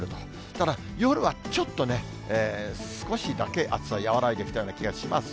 ただ夜はちょっとね、少しだけ暑さが和らいできたような気がします。